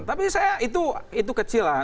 tapi saya itu kecil lah